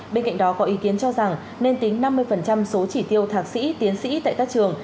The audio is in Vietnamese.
bên cạnh đó có ý kiến cho rằng nên tính năm mươi số chỉ tiêu thạc sĩ tiến sĩ tại các trường